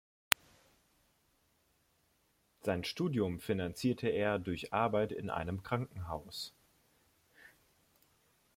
Sein Studium finanzierte er durch Arbeit in einem Krankenhaus.